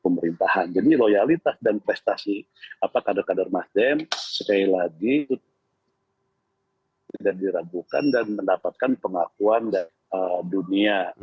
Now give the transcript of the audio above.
pemerintahan jadi loyalitas dan prestasi kader kader nasdem sekali lagi tidak diragukan dan mendapatkan pengakuan dunia